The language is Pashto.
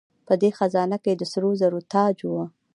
په دې خزانه کې د سرو زرو تاج و